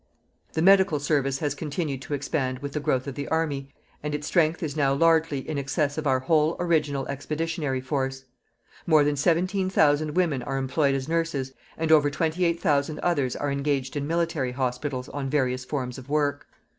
The Medical Service has continued to expand with the growth of the Army and its strength is now largely in excess of our whole original Expeditionary Force.... More than 17,000 women are employed as nurses and over 28,000 others are engaged in military hospitals on various forms of work....